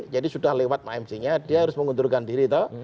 jadi sudah lewat emj nya dia harus mengunturkan diri